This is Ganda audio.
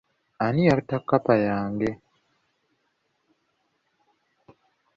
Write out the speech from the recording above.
Ani yatta kkapa yange.